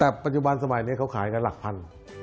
แต่ปัจจุบันสมัยนี้เขาขายกันหลักพัน